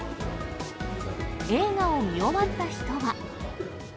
映画を見終わった人は。